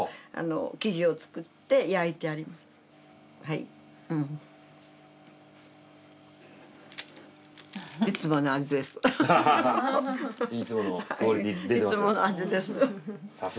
いつもの味です。